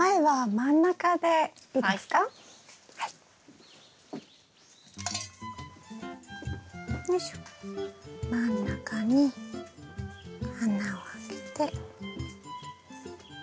真ん中に穴を開けて。